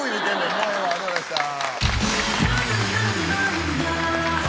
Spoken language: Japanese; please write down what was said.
もうええわありがとうございました。